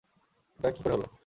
এটা কী করে হলো?